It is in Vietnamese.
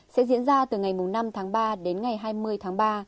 sẽ diễn ra từ ngày năm tháng ba đến ngày hai mươi tháng ba